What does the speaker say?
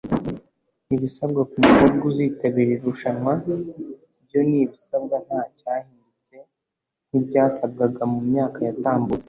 Ibisabwa ku mukobwa uzitabira iri rushanwa byo n’ibisanzwe ntacyahindutse nk’ibyasabwaga mu myaka yatambutse